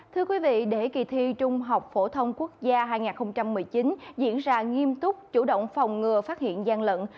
thưa quý vị để kỳ thi trung học phổ thông quốc gia hai nghìn một mươi chín diễn ra nghiêm túc chủ động phòng ngừa phát hiện gian lận